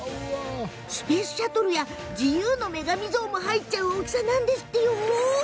スペースシャトルや自由の女神像も入っちゃう大きさなのよ！